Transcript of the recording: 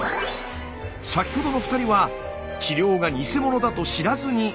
先ほどの２人は治療がニセモノだと知らずにいましたよね。